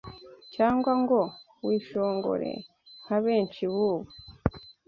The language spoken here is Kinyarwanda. cyangwa ngo wishongore nka benshi b’ubu